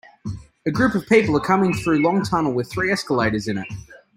A group of people are coming through long tunnel with three escalators in it.